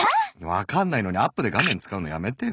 わかんないのにアップで画面使うのやめてよ。